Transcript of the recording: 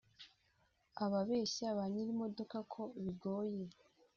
Ababeshya ba nyir’imodoka ko bigoye